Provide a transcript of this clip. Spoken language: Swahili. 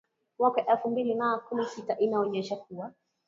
mwaka elfu mbili na kumi na sita inaonyesha kuwa